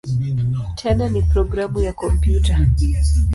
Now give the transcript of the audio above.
Tena ni programu ya kompyuta.